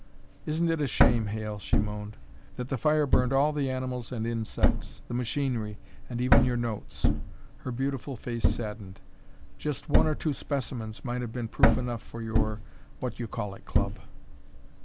"Isn't it a shame, Hale," she moaned, "that the fire burned all the animals and insects, the machinery, and even your notes?" Her beautiful face saddened. "Just one or two specimens might have been proof enough for your What You Call It Club!"